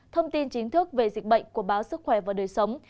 thông tin chính thức về dịch bệnh của báo sức khỏe và đời sống